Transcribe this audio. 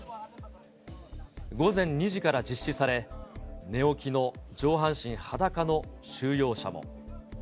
午前２時から実施され、寝起きの上半身裸の収容者も。